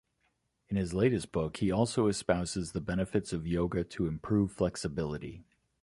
In his latest book he also espouses the benefits of yoga to improve flexibility.